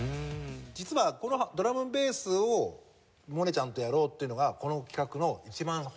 実はこのドラムンベースを百音ちゃんとやろうっていうのがこの企画の一番の発端なんです。